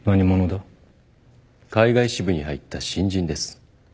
海外支部に入った新人です。